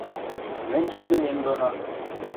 Мӹнь шӱдӹмем доно...